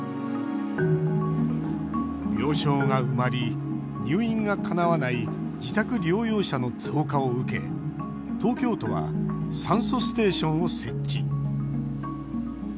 病床が埋まり、入院がかなわない自宅療養者の増加を受け東京都は酸素ステーションを設置。